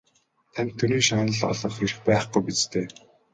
Танд Төрийн шагнал олгох эрх байхгүй биз дээ?